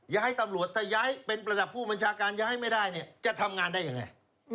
ย้ายตำรวจถ้าย้ายเป็นระดับผู้บัญชาการย้ายไม่ได้เนี่ยจะทำงานได้ยังไง